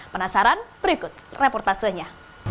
penasaran berikut reportasenya